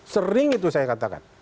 sering itu saya katakan